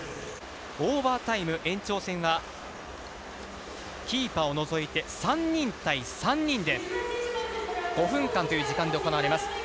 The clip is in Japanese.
オーバータイム、延長戦はキーパーを除いて３人対３人で５分間という時間で行われます。